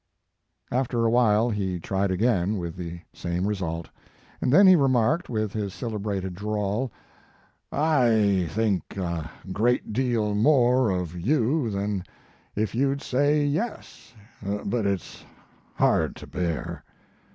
After awhile he tried" again with the same result, and then he remarked, with his celebrated drawl, "I think a great deal more of you than if you d said Yes ; but its hard to bear."